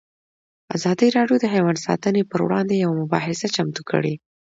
ازادي راډیو د حیوان ساتنه پر وړاندې یوه مباحثه چمتو کړې.